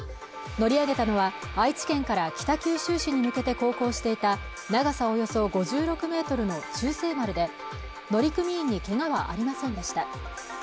乗り上げたのは愛知県から北九州市に向けて航行していた長さおよそ５６ｍの「忠誠丸」で乗組員にけがはありませんでした